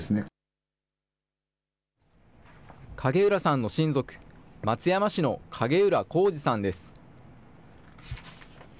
影浦さんの親族、松山市の影浦弘司さんです。